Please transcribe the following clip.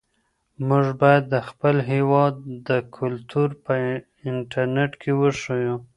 موږ باید د خپل هېواد کلتور په انټرنيټ کې وښیو.